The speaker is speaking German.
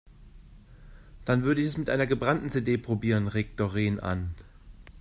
Dann würde ich es mit einer gebrannten CD probieren, regt Doreen an.